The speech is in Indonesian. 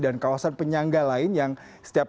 dan kawasan penyangga lain yang berada di jakarta